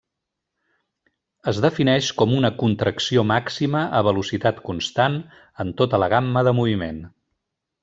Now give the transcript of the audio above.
Es defineix com una contracció màxima a velocitat constant en tota la gamma de moviment.